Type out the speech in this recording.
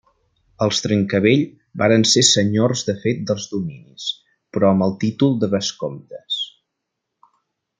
Els Trencavell varen ser senyors de fet dels dominis però amb el títol de vescomtes.